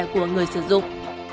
của người sử dụng